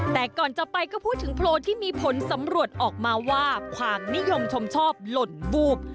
แต่ก่อนจะไปก็พูดถึงโพลที่มีผลสำรวจออกมาว่าความนิยมชมชอบหล่นวูบ